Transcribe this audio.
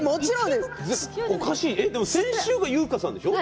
先週は優香さんでしょう